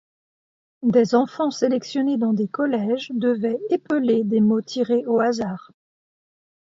Des enfants sélectionnés dans des collèges devaient épeler des mots tirés au hasard.